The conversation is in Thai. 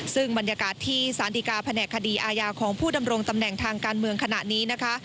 ซึ่งบรรยากาศที่สารดีกาแผนกคดีอาญาของผู้ดำรงตำแหน่งทางการเมืองขณะนี้นะคะ